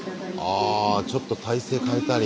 ああちょっと体勢変えたり。